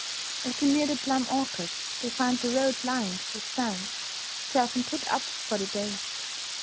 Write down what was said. As they near the plum orchard they find the road lined with stands, which have been put up for the day.